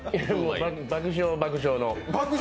爆笑爆笑の。